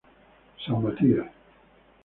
San Matías.